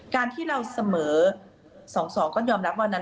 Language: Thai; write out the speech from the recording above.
การที่เราเสมอ๒๒ก็ยอมรับวันนั้น